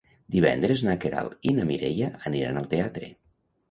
Divendres na Queralt i na Mireia aniran al teatre.